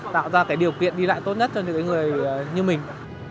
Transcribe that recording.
tạo ra cái điều kiện đi lại tốt nhất cho những người như mình